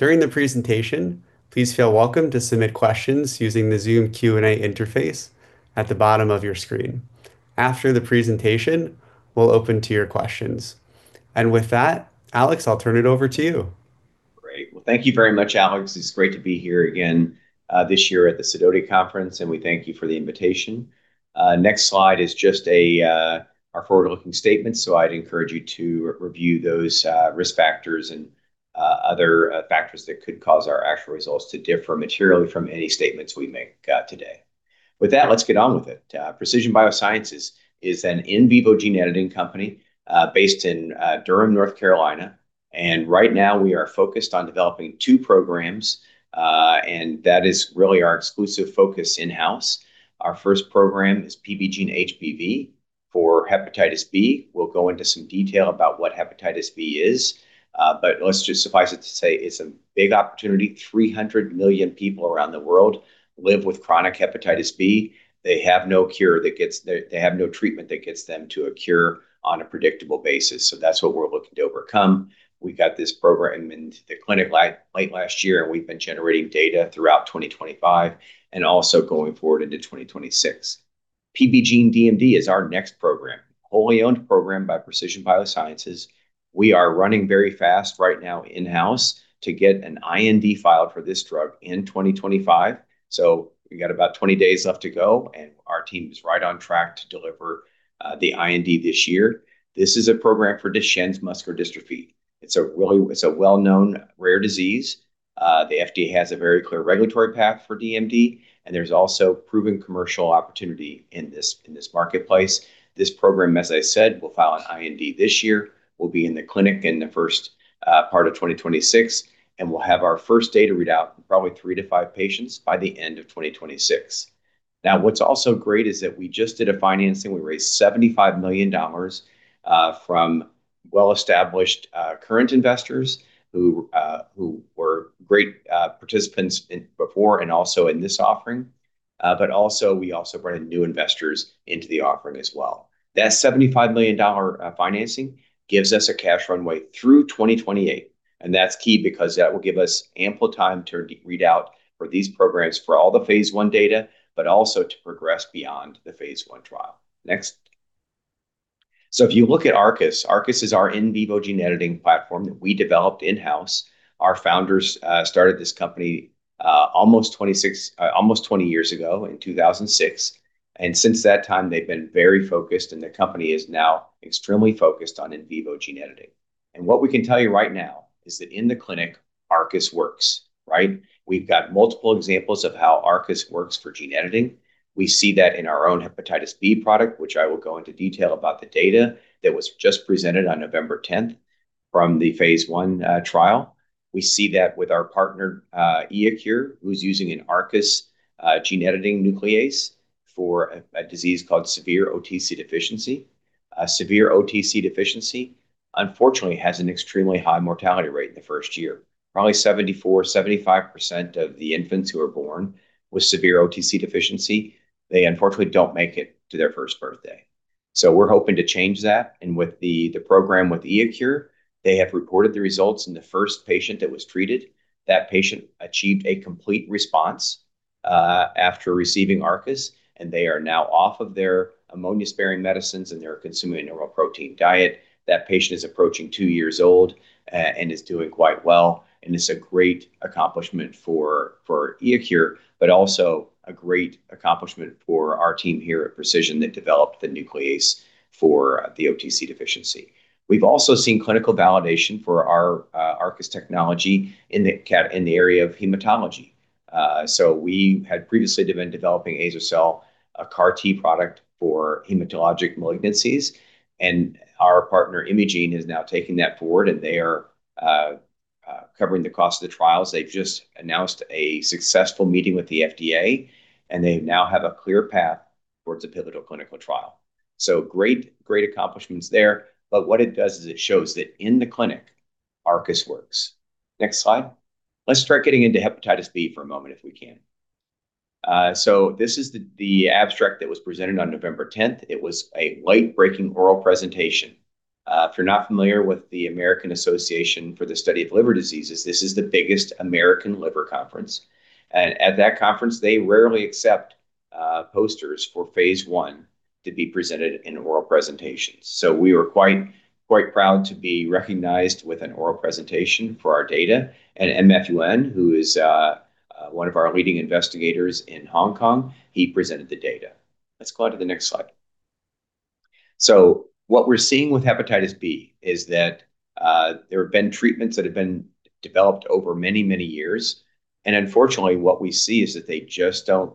During the presentation, please feel welcome to submit questions using the Zoom Q&A interface at the bottom of your screen. After the presentation, we'll open to your questions. And with that, Alex, I'll turn it over to you. Great. Well, thank you very much, Alex. It's great to be here again this year at the Sidoti Conference, and we thank you for the invitation. Next slide is just our forward-looking statements, so I'd encourage you to review those risk factors and other factors that could cause our actual results to differ materially from any statements we make today. With that, let's get on with it. Precision BioSciences is an in-vivo gene editing company based in Durham, North Carolina. And right now, we are focused on developing two programs, and that is really our exclusive focus in-house. Our first program is PBGENE-HBV for hepatitis B. We'll go into some detail about what hepatitis B is, but let's just suffice it to say it's a big opportunity. 300 million people around the world live with chronic hepatitis B. They have no treatment that gets them to a cure on a predictable basis. So that's what we're looking to overcome. We got this program into the clinic late last year, and we've been generating data throughout 2025 and also going forward into 2026. PBGENE-DMD is our next program, a wholly-owned program by Precision BioSciences. We are running very fast right now in-house to get an IND filed for this drug in 2025. So we got about 20 days left to go, and our team is right on track to deliver the IND this year. This is a program for Duchenne muscular dystrophy. It's a well-known rare disease. The FDA has a very clear regulatory path for DMD, and there's also proven commercial opportunity in this marketplace. This program, as I said, will file an IND this year. We'll be in the clinic in the first part of 2026, and we'll have our first data readout in probably three to five patients by the end of 2026. Now, what's also great is that we just did a financing. We raised $75 million from well-established current investors who were great participants before and also in this offering. But also, we also brought in new investors into the offering as well. That $75 million financing gives us a cash runway through 2028, and that's key because that will give us ample time to read out for these programs for all the phase 1 data, but also to progress beyond the phase 1 trial. Next. So if you look at ARCUS, ARCUS is our in-vivo gene editing platform that we developed in-house. Our founders started this company almost 20 years ago in 2006, and since that time, they've been very focused, and the company is now extremely focused on in-vivo gene editing. And what we can tell you right now is that in the clinic, ARCUS works, right? We've got multiple examples of how ARCUS works for gene editing. We see that in our own hepatitis B product, which I will go into detail about the data that was just presented on November 10th from the phase 1 trial. We see that with our partner, iECURE, who's using an ARCUS gene editing nuclease for a disease called severe OTC deficiency. Severe OTC deficiency, unfortunately, has an extremely high mortality rate in the first year. Probably 74%-75% of the infants who are born with severe OTC deficiency, they unfortunately don't make it to their first birthday. So we're hoping to change that. With the program with iECURE, they have reported the results, and the first patient that was treated, that patient achieved a complete response after receiving ARCUS, and they are now off of their ammonia-sparing medicines and they're consuming a normal protein diet. That patient is approaching two years old and is doing quite well, and it's a great accomplishment for iECURE, but also a great accomplishment for our team here at Precision that developed the nuclease for the OTC deficiency. We've also seen clinical validation for our ARCUS technology in the area of hematology. We had previously been developing azer-cel, a CAR-T product for hematologic malignancies, and our partner, Imugene, is now taking that forward, and they are covering the cost of the trials. They've just announced a successful meeting with the FDA, and they now have a clear path towards a pivotal clinical trial. Great accomplishments there, but what it does is it shows that in the clinic, ARCUS works. Next slide. Let's start getting into hepatitis B for a moment if we can. This is the abstract that was presented on November 10th. It was a late-breaking oral presentation. If you're not familiar with the American Association for the Study of Liver Diseases, this is the biggest American liver conference. And at that conference, they rarely accept posters for phase one to be presented in oral presentations. We were quite proud to be recognized with an oral presentation for our data. And Man-Fung Yuen, who is one of our leading investigators in Hong Kong, he presented the data. Let's go on to the next slide. What we're seeing with hepatitis B is that there have been treatments that have been developed over many, many years. Unfortunately, what we see is that they just don't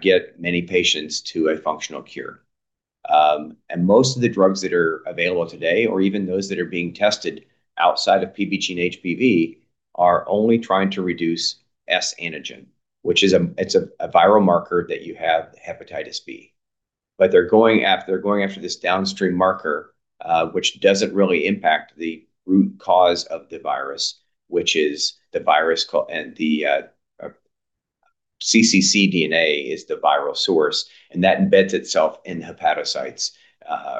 get many patients to a functional cure. Most of the drugs that are available today, or even those that are being tested outside of PBGENE-HBV, are only trying to reduce S antigen, which is a viral marker that you have hepatitis B. They're going after this downstream marker, which doesn't really impact the root cause of the virus, which is the virus and the cccDNA is the viral source. That embeds itself in hepatocytes,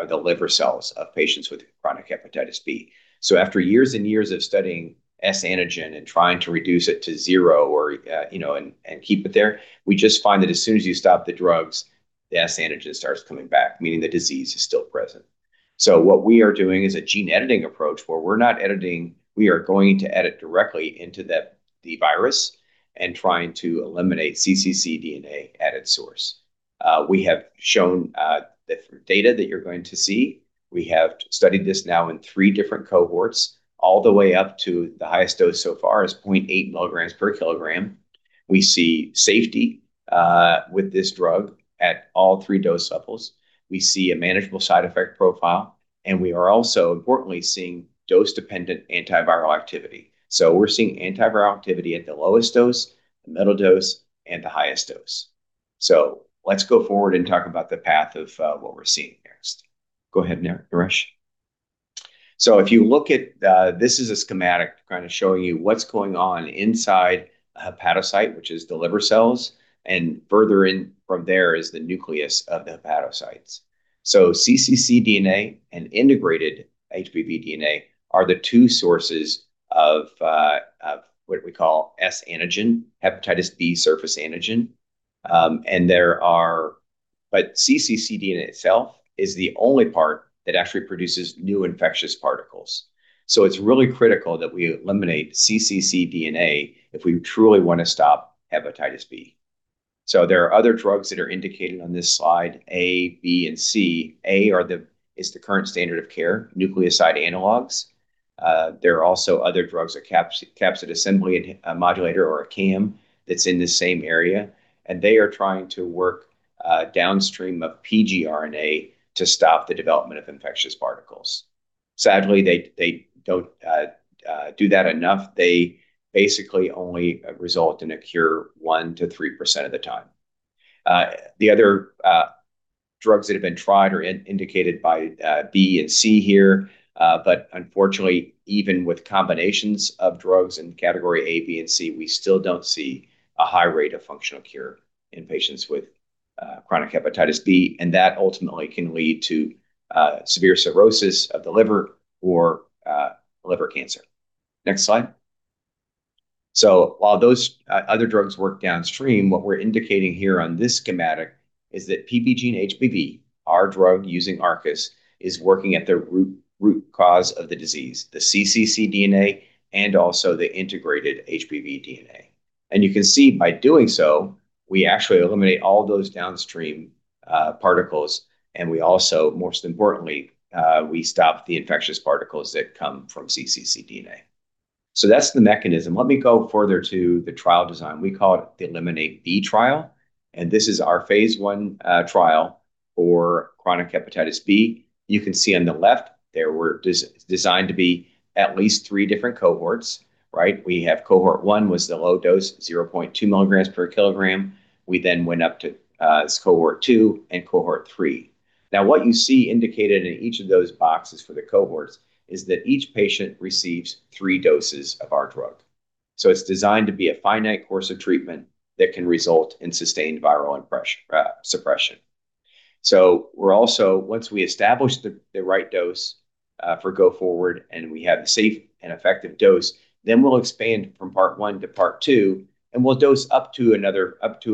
the liver cells of patients with chronic hepatitis B. After years and years of studying S antigen and trying to reduce it to zero and keep it there, we just find that as soon as you stop the drugs, the S antigen starts coming back, meaning the disease is still present. So what we are doing is a gene editing approach where we're not editing. We are going to edit directly into the virus and trying to eliminate cccDNA at its source. We have shown the data that you're going to see. We have studied this now in three different cohorts, all the way up to the highest dose so far is 0.8 milligrams per kilogram. We see safety with this drug at all three dose levels. We see a manageable side effect profile, and we are also importantly seeing dose-dependent antiviral activity. So we're seeing antiviral activity at the lowest dose, the middle dose, and the highest dose. So let's go forward and talk about the path of what we're seeing next. Go ahead, Naresh. So if you look at this as a schematic kind of showing you what's going on inside a hepatocyte, which is the liver cells, and further in from there is the nucleus of the hepatocytes. So cccDNA and integrated HBV DNA are the two sources of what we call S antigen, hepatitis B surface antigen. And there are, but cccDNA itself is the only part that actually produces new infectious particles. So it's really critical that we eliminate cccDNA if we truly want to stop hepatitis B. So there are other drugs that are indicated on this slide: A, B, and C. A is the current standard of care, nucleoside analogs. There are also other drugs, a capsid assembly modulator or a CAM that's in the same area. And they are trying to work downstream of pgRNA to stop the development of infectious particles. Sadly, they don't do that enough. They basically only result in a cure 1%-3% of the time. The other drugs that have been tried are indicated by B and C here, but unfortunately, even with combinations of drugs in category A, B, and C, we still don't see a high rate of functional cure in patients with chronic hepatitis B, and that ultimately can lead to severe cirrhosis of the liver or liver cancer. Next slide. So while those other drugs work downstream, what we're indicating here on this schematic is that PBGENE-HBV, our drug using ARCUS, is working at the root cause of the disease, the cccDNA and also the integrated HBV DNA. And you can see by doing so, we actually eliminate all those downstream particles, and we also, most importantly, we stop the infectious particles that come from cccDNA. So that's the mechanism. Let me go further to the trial design. We call it the ELIMINATE-B trial, and this is our phase one trial for chronic hepatitis B. You can see on the left, there were designed to be at least three different cohorts, right? We have cohort one was the low dose, 0.2 milligrams per kilogram. We then went up to cohort two and cohort three. Now, what you see indicated in each of those boxes for the cohorts is that each patient receives three doses of our drug. So it's designed to be a finite course of treatment that can result in sustained viral suppression. So we're also, once we establish the right dose for go forward and we have a safe and effective dose, then we'll expand from part one to part two, and we'll dose up to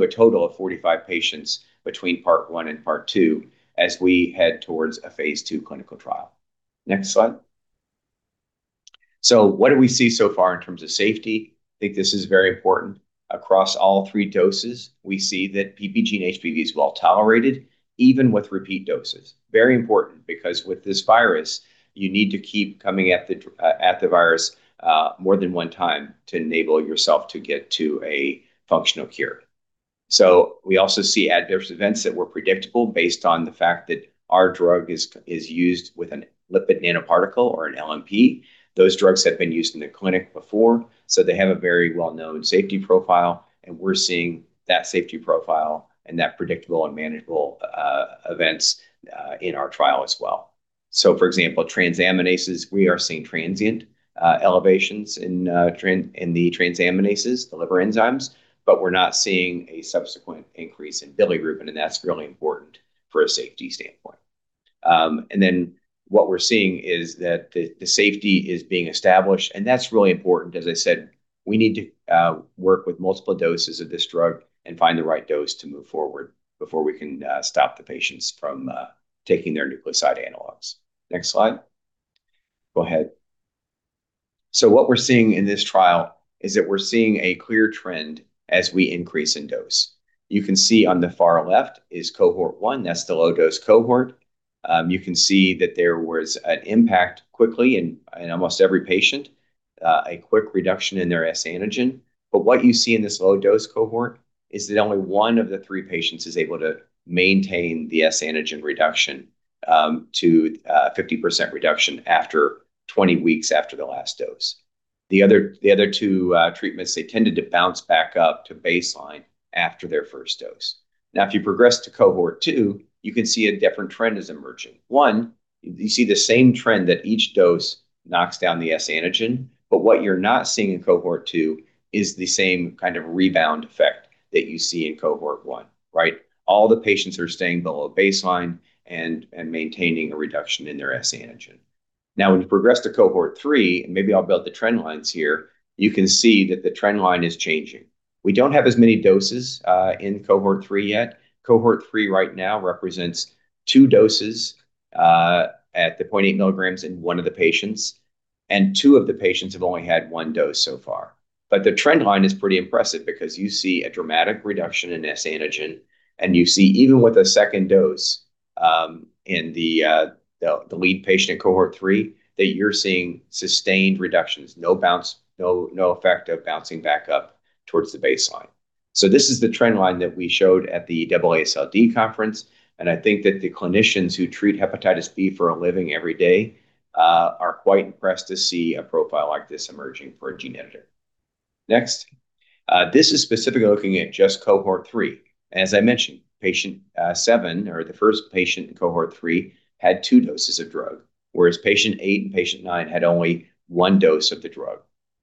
a total of 45 patients between part one and part two as we head towards a phase 2 clinical trial. Next slide. So what do we see so far in terms of safety? I think this is very important. Across all three doses, we see that PBGENE-HBV is well tolerated, even with repeat doses. Very important because with this virus, you need to keep coming at the virus more than one time to enable yourself to get to a functional cure. So we also see adverse events that were predictable based on the fact that our drug is used with a lipid nanoparticle or an LNP. Those drugs have been used in the clinic before, so they have a very well-known safety profile, and we're seeing that safety profile and that predictable and manageable events in our trial as well, so for example, transaminases, we are seeing transient elevations in the transaminases, the liver enzymes, but we're not seeing a subsequent increase in bilirubin, and that's really important for a safety standpoint, and then what we're seeing is that the safety is being established, and that's really important. As I said, we need to work with multiple doses of this drug and find the right dose to move forward before we can stop the patients from taking their nucleoside analogs. Next slide. Go ahead, so what we're seeing in this trial is that we're seeing a clear trend as we increase in dose. You can see on the far left is cohort one. That's the low-dose cohort. You can see that there was an impact quickly in almost every patient, a quick reduction in their S antigen. But what you see in this low-dose cohort is that only one of the three patients is able to maintain the S antigen reduction to 50% reduction after 20 weeks after the last dose. The other two treatments, they tended to bounce back up to baseline after their first dose. Now, if you progress to cohort two, you can see a different trend is emerging. One, you see the same trend that each dose knocks down the S antigen, but what you're not seeing in cohort two is the same kind of rebound effect that you see in cohort one, right? All the patients are staying below baseline and maintaining a reduction in their S antigen. Now, when you progress to cohort three, and maybe I'll build the trend lines here, you can see that the trend line is changing. We don't have as many doses in cohort three yet. Cohort three right now represents two doses at the 0.8 milligrams in one of the patients, and two of the patients have only had one dose so far. But the trend line is pretty impressive because you see a dramatic reduction in S antigen, and you see even with a second dose in the lead patient in cohort three that you're seeing sustained reductions, no effect of bouncing back up towards the baseline. So this is the trend line that we showed at the AASLD conference, and I think that the clinicians who treat hepatitis B for a living every day are quite impressed to see a profile like this emerging for a gene editor. Next, this is specifically looking at just cohort three. As I mentioned, patient seven or the first patient in cohort three had two doses of drug, whereas patient eight and patient nine had only one dose of the drug.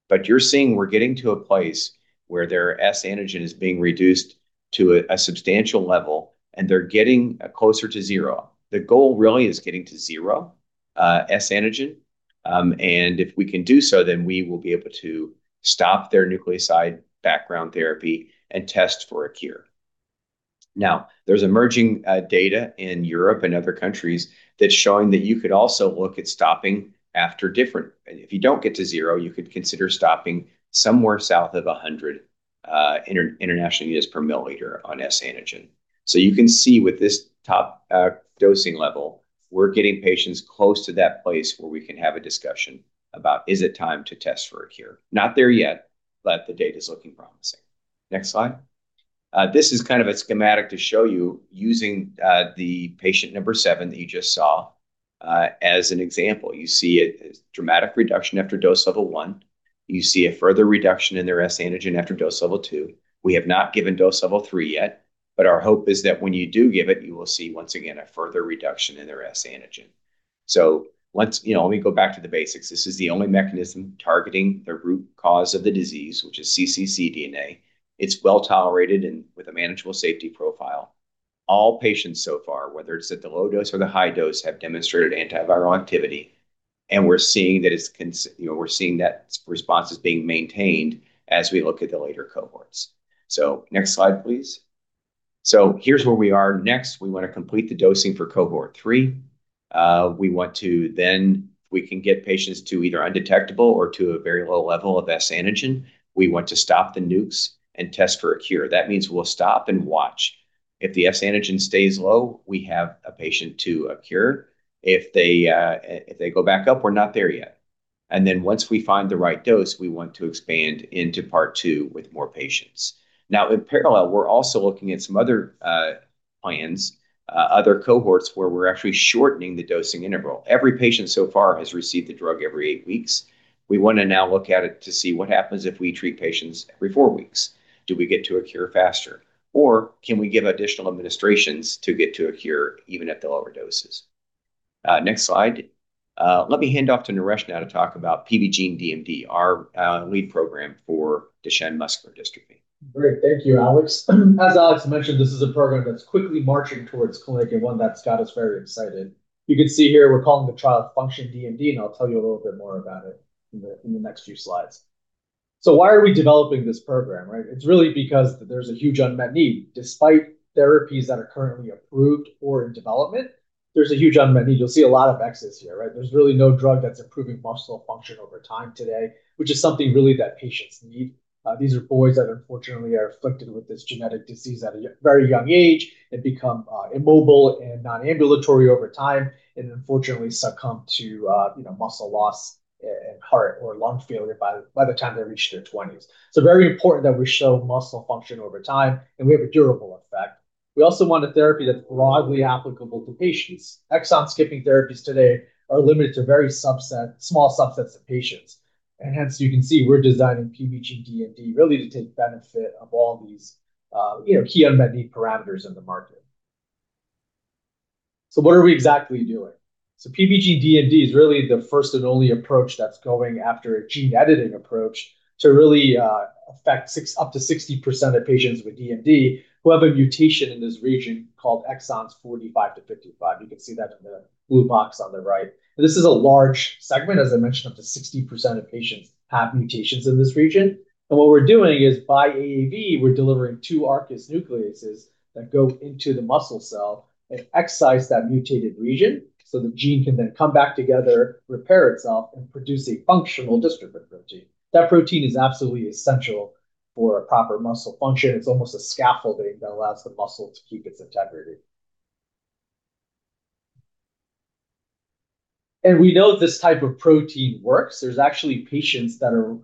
But you're seeing we're getting to a place where their S antigen is being reduced to a substantial level, and they're getting closer to zero. The goal really is getting to zero S antigen, and if we can do so, then we will be able to stop their nucleoside background therapy and test for a cure. Now, there's emerging data in Europe and other countries that's showing that you could also look at stopping after different, and if you don't get to zero, you could consider stopping somewhere south of 100 international units per milliliter on S antigen. So you can see with this top dosing level, we're getting patients close to that place where we can have a discussion about is it time to test for a cure? Not there yet, but the data is looking promising. Next slide. This is kind of a schematic to show you using the patient number seven that you just saw as an example. You see a dramatic reduction after dose level one. You see a further reduction in their S antigen after dose level two. We have not given dose level three yet, but our hope is that when you do give it, you will see once again a further reduction in their S antigen. So let me go back to the basics. This is the only mechanism targeting the root cause of the disease, which is cccDNA. It's well tolerated and with a manageable safety profile. All patients so far, whether it's at the low dose or the high dose, have demonstrated antiviral activity, and we're seeing that response is being maintained as we look at the later cohorts. Next slide, please. Here's where we are. Next, we want to complete the dosing for cohort three. We want to, then we can get patients to either undetectable or to a very low level of S antigen. We want to stop the nukes and test for a cure. That means we'll stop and watch. If the S antigen stays low, we have a patient to a cure. If they go back up, we're not there yet. Once we find the right dose, we want to expand into part two with more patients. Now, in parallel, we're also looking at some other plans, other cohorts where we're actually shortening the dosing interval. Every patient so far has received the drug every eight weeks. We want to now look at it to see what happens if we treat patients every four weeks. Do we get to a cure faster, or can we give additional administrations to get to a cure even at the lower doses? Next slide. Let me hand off to Naresh now to talk about PBGENE-DMD, our lead program for Duchenne muscular dystrophy. Great. Thank you, Alex. As Alex mentioned, this is a program that's quickly marching towards clinic and one that's got us very excited. You can see here we're calling the trial Function-DMB, and I'll tell you a little bit more about it in the next few slides. So why are we developing this program, right? It's really because there's a huge unmet need. Despite therapies that are currently approved or in development, there's a huge unmet need. You'll see a lot of Xs here, right? There's really no drug that's improving muscle function over time today, which is something really that patients need. These are boys that unfortunately are afflicted with this genetic disease at a very young age and become immobile and non-ambulatory over time and unfortunately succumb to muscle loss and heart or lung failure by the time they reach their 20s. So very important that we show muscle function over time and we have a durable effect. We also want a therapy that's broadly applicable to patients. Exon skipping therapies today are limited to very small subsets of patients, and hence, you can see we're designing PBGENE-DMD really to take benefit of all these key unmet need parameters in the market. So what are we exactly doing? PBGENE-DMD is really the first and only approach that's going after a gene editing approach to really affect up to 60% of patients with DMD who have a mutation in this region called exons 45 to 55. You can see that in the blue box on the right. This is a large segment. As I mentioned, up to 60% of patients have mutations in this region, and what we're doing is by AAV, we're delivering two ARCUS nucleases that go into the muscle cell and excise that mutated region so the gene can then come back together, repair itself, and produce a functional dystrophin protein. That protein is absolutely essential for proper muscle function. It's almost a scaffolding that allows the muscle to keep its integrity, and we know this type of protein works. There's actually patients that are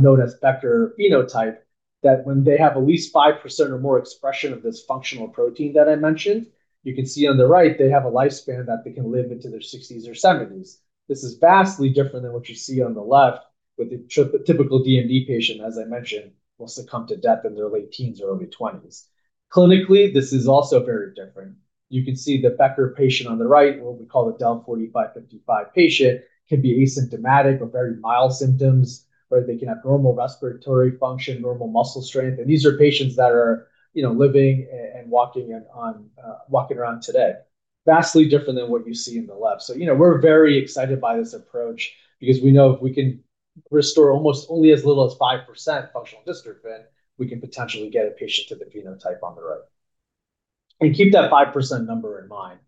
known as Becker phenotype that when they have at least 5% or more expression of this functional protein that I mentioned, you can see on the right, they have a lifespan that they can live into their 60s or 70s. This is vastly different than what you see on the left with the typical DMD patient, as I mentioned, will succumb to death in their late teens or early 20s. Clinically, this is also very different. You can see the Becker patient on the right, what we call the Del 45-55 patient, can be asymptomatic or very mild symptoms, or they can have normal respiratory function, normal muscle strength, and these are patients that are living and walking around today. Vastly different than what you see on the left. We’re very excited by this approach because we know if we can restore almost only as little as five% functional dystrophin, we can potentially get a patient to the phenotype on the right. Keep that five% number in mind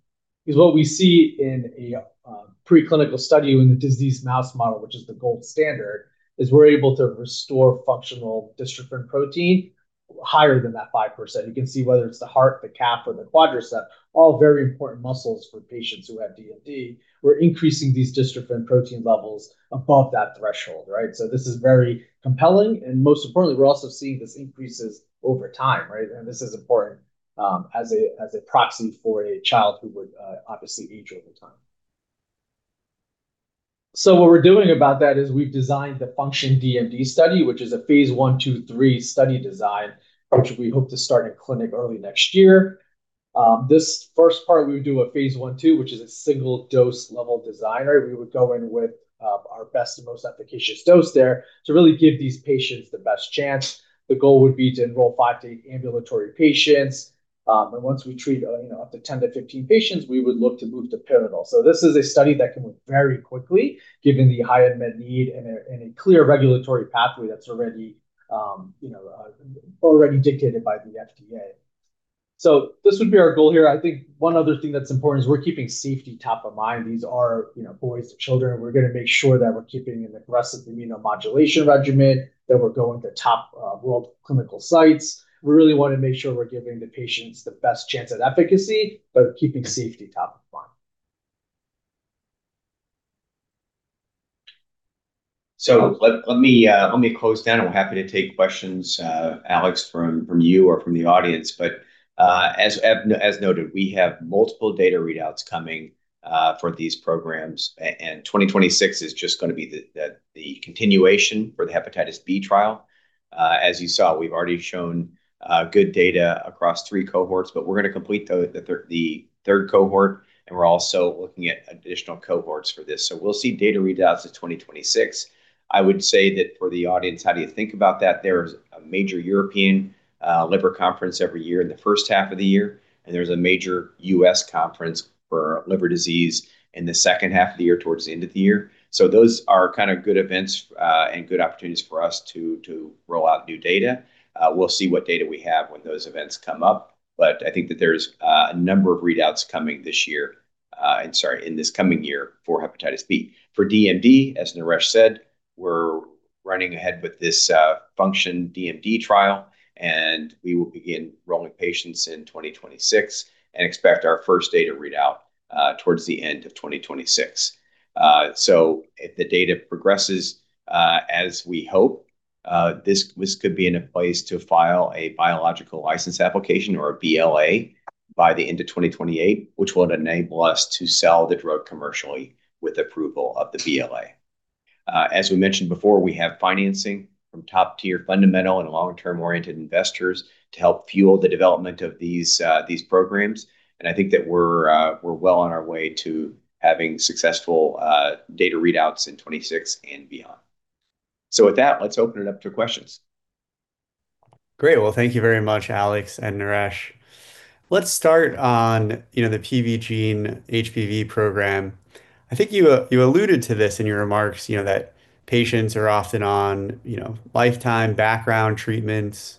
because what we see in a preclinical study in the disease mouse model, which is the gold standard, is we’re able to restore functional dystrophin protein higher than that five%. You can see whether it’s the heart, the calf, or the quadriceps, all very important muscles for patients who have DMD, we’re increasing these dystrophin protein levels above that threshold, right? This is very compelling. Most importantly, we’re also seeing this increases over time, right? This is important as a proxy for a child who would obviously age over time. So what we're doing about that is we've designed the Function-DMB Study, which is a phase one, two, three study design, which we hope to start in clinic early next year. This first part, we would do a phase one, two, which is a single dose level design, right? We would go in with our best and most efficacious dose there to really give these patients the best chance. The goal would be to enroll five to eight ambulatory patients. And once we treat up to 10 to 15 patients, we would look to move to pivotal. So this is a study that can work very quickly given the high unmet need and a clear regulatory pathway that's already dictated by the FDA. So this would be our goal here. I think one other thing that's important is we're keeping safety top of mind. These are boys and children. We're going to make sure that we're keeping an aggressive immunomodulation regimen, that we're going to top world clinical sites. We really want to make sure we're giving the patients the best chance at efficacy, but keeping safety top of mind. So let me close down. We're happy to take questions, Alex, from you or from the audience. But as noted, we have multiple data readouts coming for these programs, and 2026 is just going to be the continuation for the Hepatitis B trial. As you saw, we've already shown good data across three cohorts, but we're going to complete the third cohort, and we're also looking at additional cohorts for this. So we'll see data readouts in 2026. I would say that for the audience, how do you think about that? There's a major European liver conference every year in the first half of the year, and there's a major U.S. conference for liver disease in the second half of the year towards the end of the year. So those are kind of good events and good opportunities for us to roll out new data. We'll see what data we have when those events come up, but I think that there's a number of readouts coming this year, sorry, in this coming year for Hepatitis B. For DMD, as Naresh said, we're running ahead with this Function-DMB trial, and we will begin enrolling patients in 2026 and expect our first data readout towards the end of 2026. So if the data progresses, as we hope, this could be in a place to file a Biologics License Application or a BLA by the end of 2028, which will enable us to sell the drug commercially with approval of the BLA. As we mentioned before, we have financing from top-tier fundamental and long-term oriented investors to help fuel the development of these programs. And I think that we're well on our way to having successful data readouts in 2026 and beyond. So with that, let's open it up to questions. Great. Well, thank you very much, Alex and Naresh. Let's start on the PBGENE-HBV program. I think you alluded to this in your remarks that patients are often on lifetime background treatments.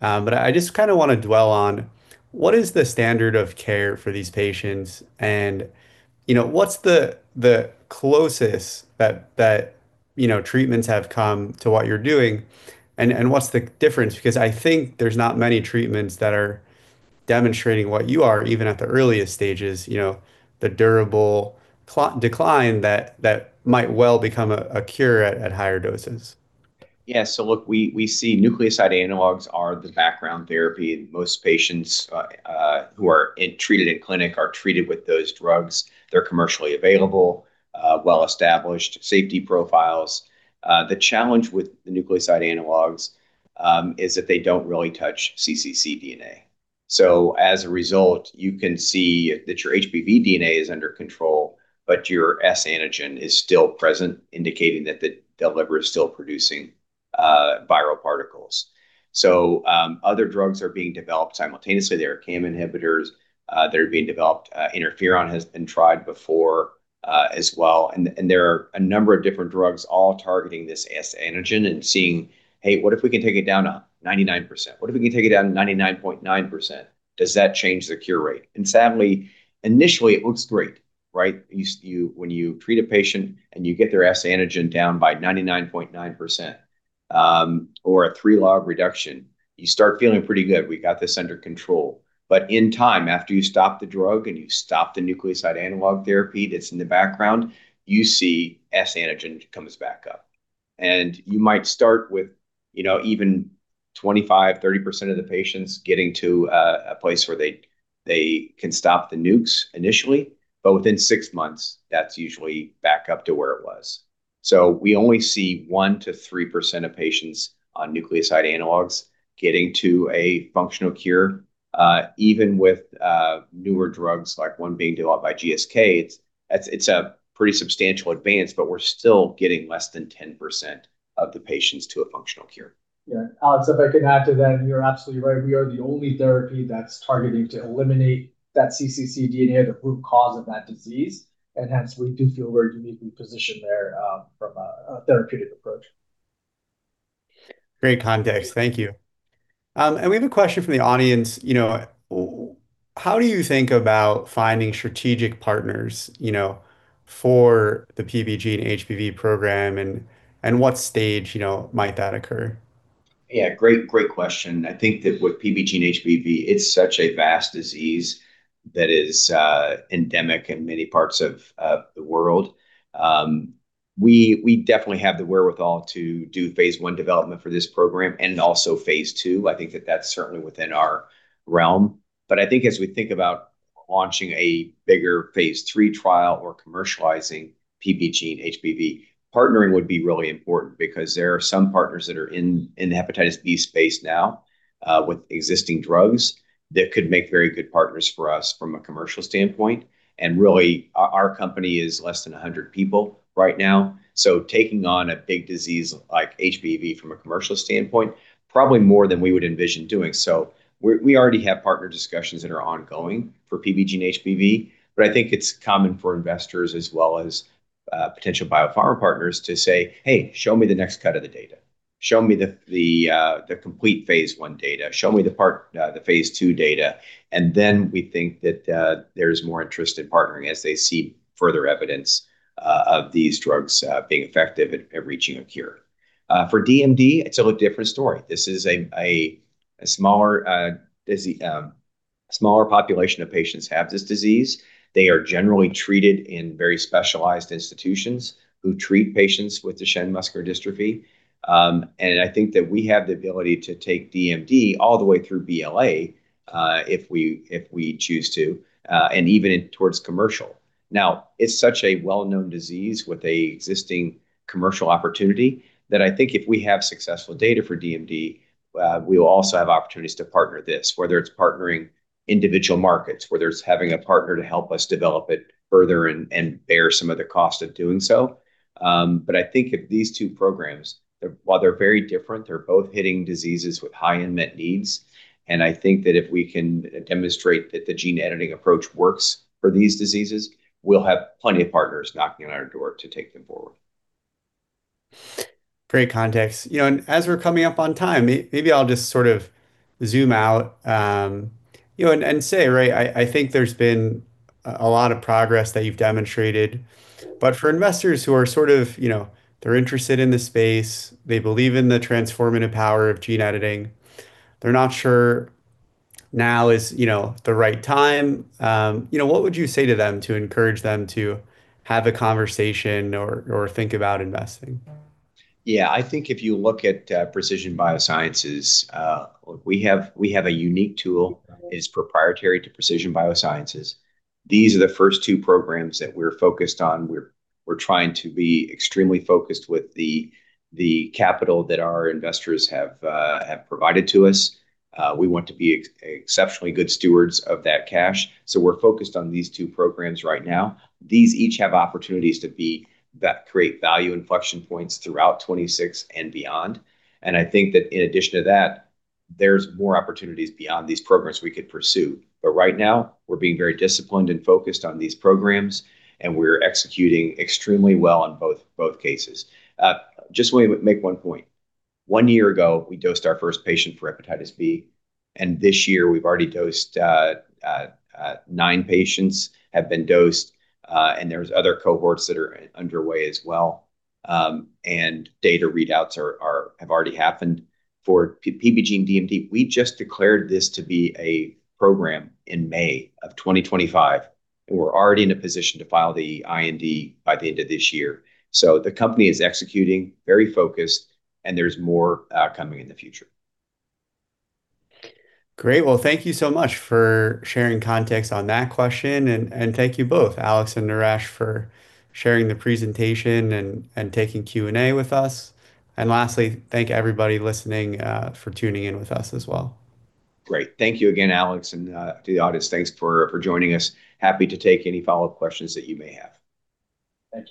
But I just kind of want to dwell on what is the standard of care for these patients and what's the closest that treatments have come to what you're doing and what's the difference? Because I think there's not many treatments that are demonstrating what you are, even at the earliest stages, the durable decline that might well become a cure at higher doses. Yeah. So look, we see nucleoside analogs are the background therapy. Most patients who are treated in clinic are treated with those drugs. They're commercially available, well-established safety profiles. The challenge with the nucleoside analogs is that they don't really touch cccDNA. So as a result, you can see that your HBV DNA is under control, but your S antigen is still present, indicating that the liver is still producing viral particles. So other drugs are being developed simultaneously. There are CAM inhibitors. They're being developed. Interferon has been tried before as well, and there are a number of different drugs all targeting this S antigen and seeing, "Hey, what if we can take it down to 99%? What if we can take it down to 99.9%? Does that change the cure rate?" and sadly, initially, it looks great, right? When you treat a patient and you get their S antigen down by 99.9% or a three log reduction, you start feeling pretty good. We got this under control, but in time, after you stop the drug and you stop the nucleoside analog therapy that's in the background, you see S antigen comes back up, and you might start with even 25%-30% of the patients getting to a place where they can stop the nukes initially, but within six months, that's usually back up to where it was. So we only see 1%-3% of patients on nucleoside analogs getting to a functional cure, even with newer drugs like one being developed by GSK. It's a pretty substantial advance, but we're still getting less than 10% of the patients to a functional cure. Yeah. Alex, if I can add to that, you're absolutely right. We are the only therapy that's targeting to eliminate that cccDNA, the root cause of that disease. And hence, we do feel very uniquely positioned there from a therapeutic approach. Great context. Thank you. And we have a question from the audience. How do you think about finding strategic partners for the PBGENE-HBV program, and what stage might that occur? Yeah. Great question. I think that with PBGENE-HBV, it's such a vast disease that is endemic in many parts of the world. We definitely have the wherewithal to do phase one development for this program and also phase two. I think that that's certainly within our realm. But I think as we think about launching a bigger phase three trial or commercializing PBGENE-HBV, partnering would be really important because there are some partners that are in the hepatitis B space now with existing drugs that could make very good partners for us from a commercial standpoint. And really, our company is less than 100 people right now. So taking on a big disease like HBV from a commercial standpoint, probably more than we would envision doing. So we already have partner discussions that are ongoing for PBGENE-HBV, but I think it's common for investors as well as potential biopharma partners to say, "Hey, show me the next cut of the data. Show me the complete phase one data. Show me the phase two data." And then we think that there's more interest in partnering as they see further evidence of these drugs being effective at reaching a cure. For DMD, it's a different story. This is a smaller population of patients who have this disease. They are generally treated in very specialized institutions who treat patients with Duchenne muscular dystrophy. And I think that we have the ability to take DMD all the way through BLA if we choose to, and even towards commercial. Now, it's such a well-known disease with an existing commercial opportunity that I think if we have successful data for DMD, we will also have opportunities to partner this, whether it's partnering individual markets, whether it's having a partner to help us develop it further and bear some of the cost of doing so. But I think if these two programs, while they're very different, they're both hitting diseases with high unmet needs. And I think that if we can demonstrate that the gene editing approach works for these diseases, we'll have plenty of partners knocking on our door to take them forward. Great context. And as we're coming up on time, maybe I'll just sort of zoom out and say, right, I think there's been a lot of progress that you've demonstrated. But for investors who are sort of, they're interested in the space, they believe in the transformative power of gene editing, they're not sure now is the right time. What would you say to them to encourage them to have a conversation or think about investing? Yeah. I think if you look at Precision BioSciences, we have a unique tool that is proprietary to Precision BioSciences. These are the first two programs that we're focused on. We're trying to be extremely focused with the capital that our investors have provided to us. We want to be exceptionally good stewards of that cash. So we're focused on these two programs right now. These each have opportunities to create value inflection points throughout 2026 and beyond. And I think that in addition to that, there's more opportunities beyond these programs we could pursue. But right now, we're being very disciplined and focused on these programs, and we're executing extremely well in both cases. Just want to make one point. One year ago, we dosed our first patient for Hepatitis B, and this year, we've already dosed nine patients, and there's other cohorts that are underway as well. And data readouts have already happened for PBGENE-DMD. We just declared this to be a program in May of 2025, and we're already in a position to file the IND by the end of this year. So the company is executing, very focused, and there's more coming in the future. Great. Well, thank you so much for sharing context on that question. And thank you both, Alex and Naresh, for sharing the presentation and taking Q&A with us. And lastly, thank everybody listening for tuning in with us as well. Great. Thank you again, Alex, and to the audience, thanks for joining us. Happy to take any follow-up questions that you may have. Thank you.